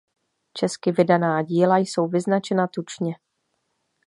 Česky vydaná díla jsou vyznačena tučně.